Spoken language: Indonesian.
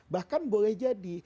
bahkan boleh jadi